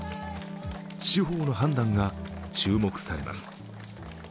司法の判断が注目されます。